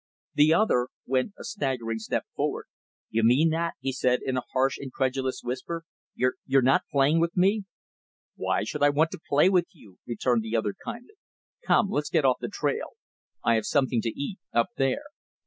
The other went a staggering step forward. "You mean that?" he said in a harsh, incredulous whisper. "You you're not playing with me?" "Why should I want to play with you?" returned the other, kindly. "Come, let's get off the trail. I have something to eat, up there."